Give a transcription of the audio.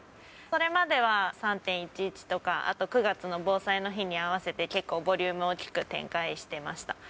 それまでは３・１１とか、あと９月の防災の日に合わせて、結構ボリューム大きく展開してました。